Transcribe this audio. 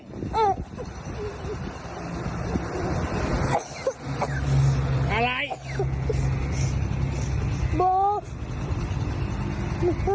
โอเคพ่อไม้สามารถ